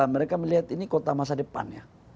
mereka melihat ini kota masa depan ya